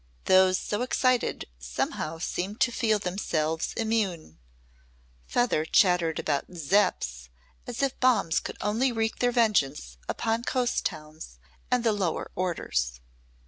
Those so excited somehow seemed to feel themselves immune. Feather chattered about "Zepps" as if bombs could only wreak their vengeance upon coast towns and the lower orders.